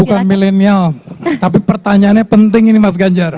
bukan milenial tapi pertanyaannya penting ini mas ganjar